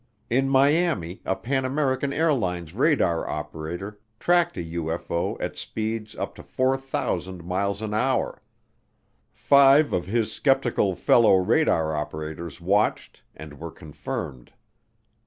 In Miami, a Pan American Airlines radar operator tracked a UFO at speeds up to 4000 miles an hour. Five of his skeptical fellow radar operators watched and were confirmed.